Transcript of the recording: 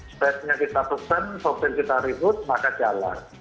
setelah punya kita tuksen sopir kita reboot maka jalan